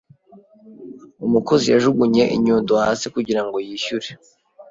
Umukozi yajugunye inyundo hasi Kugira ngo yishyure